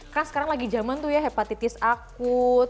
karena sekarang lagi zaman tuh ya hepatitis akut